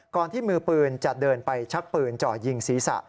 ที่มือปืนจะเดินไปชักปืนเจาะยิงศีรษะ